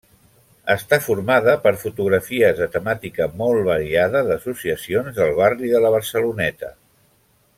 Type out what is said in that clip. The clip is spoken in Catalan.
Està formada per fotografies de temàtica molt variada d'associacions del barri de la Barceloneta.